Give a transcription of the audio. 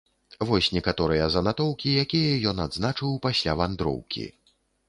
Вось некаторыя занатоўкі, якія ён адзначыў пасля вандроўкі.